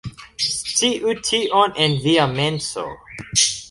Sciu tion en via menso